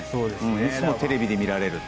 いつもテレビで見られるという。